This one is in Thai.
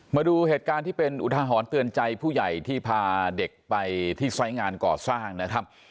มาดูเหตุการณ์ที่เป็นอุทาหรณ์เตือนใจผู้ใหญ่ที่พาเด็กไปที่ไซส์งานก่อสร้างนะครับ